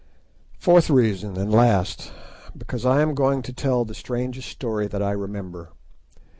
Fourth reason and last: Because I am going to tell the strangest story that I remember.